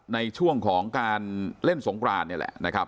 ในช่วงของการเล่นสงคราน